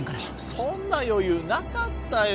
そんな余裕なかったよ